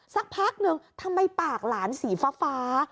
สักพักนึงทำไมปากหลานสีฟ้า